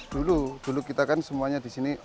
dulu dulu kita kan semuanya di sini